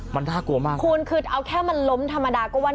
มันน่ากลัวมากคุณคือเอาแค่มันล้มธรรมดาก็ว่า